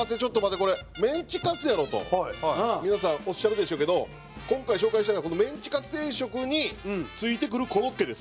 これメンチカツやろと皆さんおっしゃるでしょうけど今回紹介したいのはこのメンチカツ定食に付いてくるコロッケです。